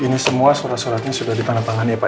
ini semua surat suratnya sudah ditandatangani pak